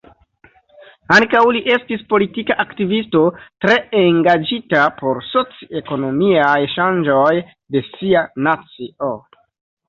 Ankaŭ li estis politika aktivisto, tre engaĝita por soci-ekonomiaj ŝanĝoj de sia nacio.